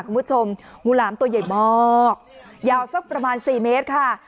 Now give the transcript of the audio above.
คุณผู้ชมงูหลามตัวใหญ่มากยาวสักประมาณ๔เมตรค่ะ